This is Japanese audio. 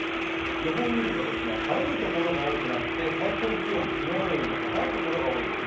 予報を見ると晴れるところが多くなって、最高気温、昨日よりも高いところが多いんですね。